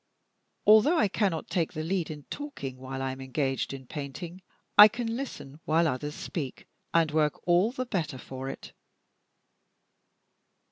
Although I cannot take the lead in talking while I am engaged in painting, I can listen while others speak, and work all the better for it.